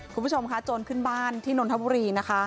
คุณผู้ชมค่ะโจรขึ้นบ้านที่นนทบุรีนะคะ